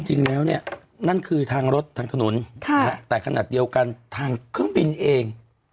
จริงแล้วเนี่ยนั่นคือทางรถทางถนนแต่ขนาดเดียวกันทางเครื่องบินเอง